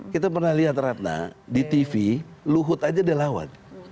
kita pernah lihat ratna di tv luhut aja delawan